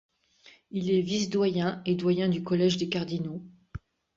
Il est vice-doyen et doyen du Collège des cardinaux.